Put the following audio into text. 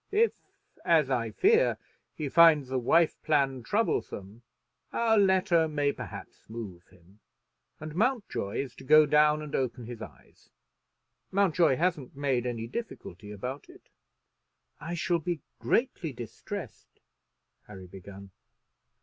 If, as I fear, he finds the wife plan troublesome, our letter may perhaps move him, and Mountjoy is to go down and open his eyes. Mountjoy hasn't made any difficulty about it." "I shall be greatly distressed " Harry begun.